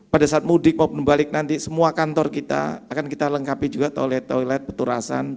pada saat mudik mau balik nanti semua kantor kita akan kita lengkapi juga toilet toilet peturasan